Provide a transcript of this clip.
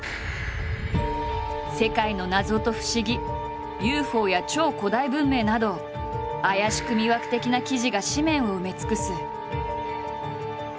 世界の謎と不思議ＵＦＯや超古代文明など怪しく魅惑的な記事が誌面を埋め尽くす。